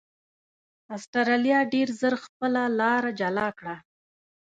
اسټرالیا ډېر ژر خپله لار جلا کړه.